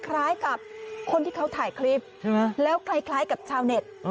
ไคล่กับคนที่เขาถ่ายคลิปใช่ป่ะแล้วไคล่กับเช่าเน็ต